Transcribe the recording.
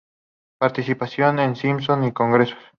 Participación en Simposios y Congresos.